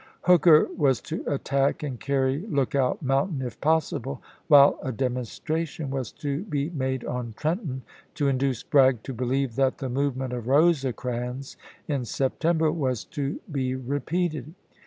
Hooker was to attack and carry Lookout Moun tain, if possible, while a demonstration was to be made on Trenton, to induce Bragg to believe that the movement of Eosecrans in September was to be repeated.